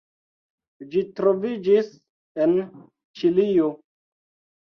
Ĝi troviĝis en Ĉilio.